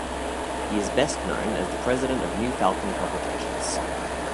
He is best known as president of New Falcon Publications.